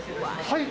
はい。